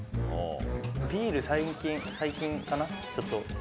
ビール最近かな、ちょっと。